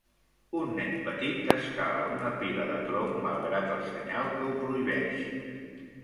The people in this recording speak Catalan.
Un nen petit escala una pila de tronc malgrat el senyal que ho prohibeix.